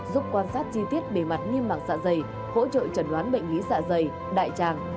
giúp quan sát chi tiết bề mặt nghiêm mạng dạ dày hỗ trợ trần đoán bệnh lý dạ dày đại tràng